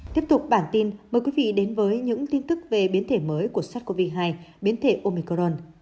tiếp tục bản tin mời quý vị đến với những tin tức về biến thể mới của sars cov hai biến thể omicorn